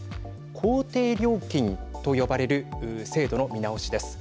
公定料金と呼ばれる制度の見直しです。